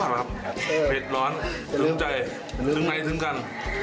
สุดยอดครับเผ็ดร้อนทึงใจทึงไหนทึงกัน